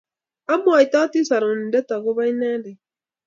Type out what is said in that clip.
Amwaitoti Sorunindet ako ba inendet